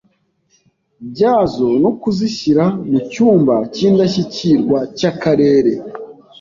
byazo no kuzishyira mu cyumba cy’indashyikirwa cy’Akarere.